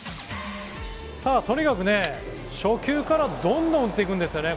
とにかく初球からどんどん打っていくんですよね。